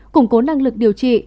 củng cố năng lực điều trị